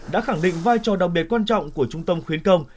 đã khẳng định vai trò đặc biệt quan trọng của trung tâm khuyến công